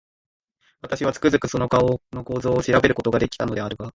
私は、つくづくその顔の構造を調べる事が出来たのであるが、